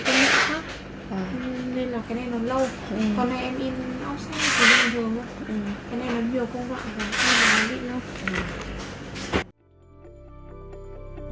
cái này nó nhiều công dụng theo tên mẫu định luôn